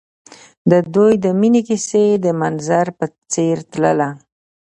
د دوی د مینې کیسه د منظر په څېر تلله.